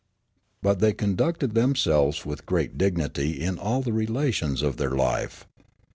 But thej^ conducted themselves with great dignity iu all the relations of their life.